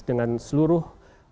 dengan seluruh empat tujuh ratus